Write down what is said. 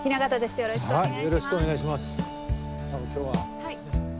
よろしくお願いします。